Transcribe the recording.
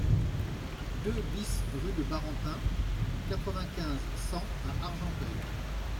deux BIS rue de Barentin, quatre-vingt-quinze, cent à Argenteuil